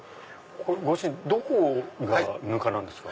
ご主人どこがぬかなんですか？